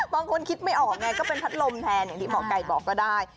บางคนคิดไม่ออกไงก็เป็นพัดลมแทนอย่างที่หมอไก่บอกก็ได้